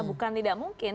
bukan tidak mungkin